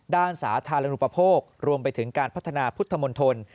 สาธารณูปโภครวมไปถึงการพัฒนาพุทธมนตร